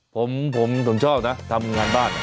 ผมผมชอบนะทำงานบ้าน